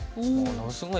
ものすごい。